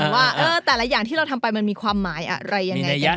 ว่าแต่ละอย่างที่เราทำไปมันมีความหมายอะไรยังไงกันบ้าง